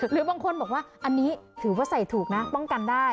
หรือบางคนบอกว่าอันนี้ถือว่าใส่ถูกนะป้องกันได้